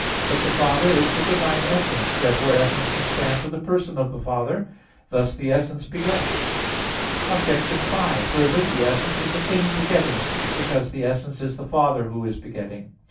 But the Father is the divine essence; therefore essence can stand for the person of the Father. Thus the essence begets. Obj. 5: Further, the essence is "a thing begetting," because the essence is the Father who is begetting.